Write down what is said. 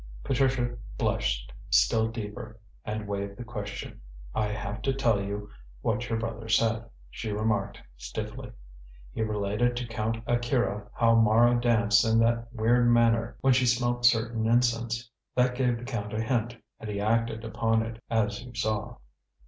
Patricia blushed still deeper, and waived the question. "I have to tell you what your brother said," she remarked stiffly. "He related to Count Akira how Mara danced in that weird manner when she smelt certain incense. That gave the Count a hint, and he acted upon it, as you saw."